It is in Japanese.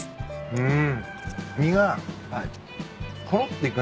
うん。